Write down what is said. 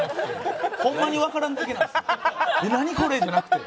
「えっ何これ！？」じゃなくて。